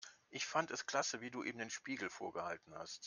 Ich fand es klasse, wie du ihm den Spiegel vorgehalten hast.